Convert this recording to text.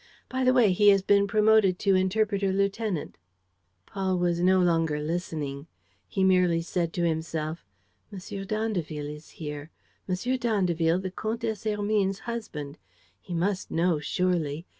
By the way, he has been promoted to interpreter lieutenant. ..." Paul was no longer listening. He merely said to himself: "M. d'Andeville is here. ... M. d'Andeville, the Comtesse Hermine's husband. He must know, surely.